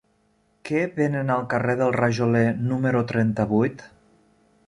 Què venen al carrer del Rajoler número trenta-vuit?